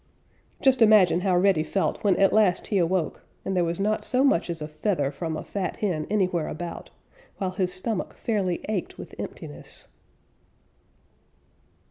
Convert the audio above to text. Just imagine how Reddy felt when at last he awoke and there was not so much as a feather from a fat hen anywhere about, while his stomach fairly ached with emptiness.